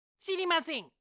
しりません。